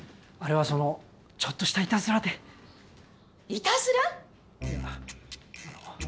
あれはそのちょっとしたいたずらで。